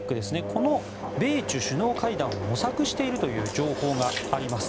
この米中首脳会談を模索しているという情報があります。